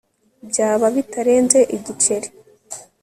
byaba bitarenze igiceri